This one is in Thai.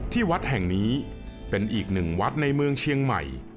ที่วัดแห่งนี้เป็นอีกหนึ่งวัดในเมืองเชียงใหม่